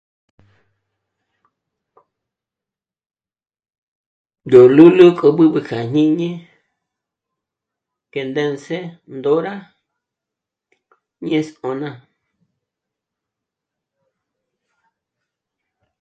Yó lúlu k'o b'ǚb'ü k'a jñíni kendénze ndóra ñé'e 'ésk'ona